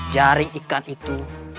jaring ikan itu